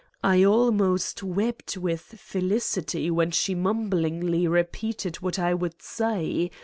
I almost wept with felicity when she mumblingly repeated what I would say.